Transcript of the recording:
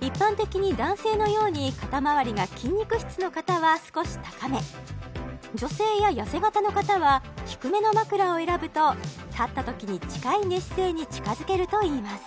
一般的に男性のように肩まわりが筋肉質の方は少し高め女性や痩せ型の方は低めの枕を選ぶと立ったときに近い寝姿勢に近づけるといいます